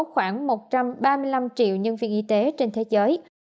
khoảng một trăm ba mươi năm triệu nhân viên y tế trên thế giới